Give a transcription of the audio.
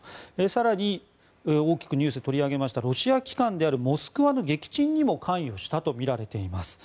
更に大きくニュースで取り上げられましたロシア旗艦であるモスクワの撃沈にも関与したとみられています。